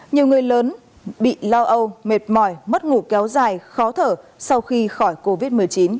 nhiều người lớn bị lo âu mệt mỏi mất ngủ kéo dài khó thở sau khi khỏi covid một mươi chín